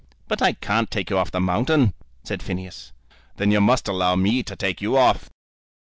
"But I can't take you off the mountain," said Phineas. "Then you must allow me to take you off."